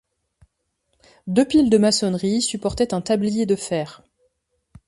Deux piles de maçonneries supportaient un tablier de fer.